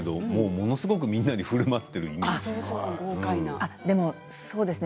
ものすごくみんなにふるまっているイメージですよ。